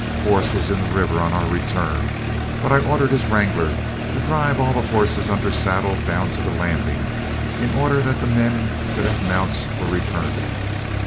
Forrest was in the river on our return, but I ordered his wrangler to drive all the horses under saddle down to the landing, in order that the men could have mounts for returning.